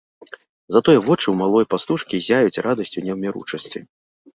Затое вочы ў малой пастушкі ззяюць радасцю неўміручасці.